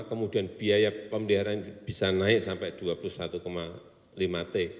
kemudian biaya pemeliharaan bisa naik sampai rp dua puluh satu lima t